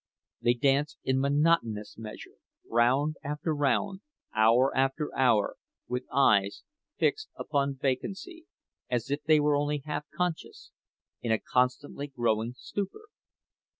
They dance in monotonous measure, round after round, hour after hour, with eyes fixed upon vacancy, as if they were only half conscious, in a constantly growing stupor.